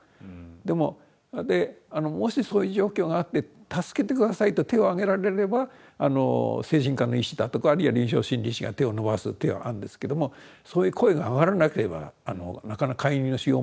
でももしそういう状況があって助けて下さいと手を挙げられれば精神科の医師だとかあるいは臨床心理士が手を伸ばすってのはあるんですけどもそういう声が上がらなければなかなか介入のしようもないということで。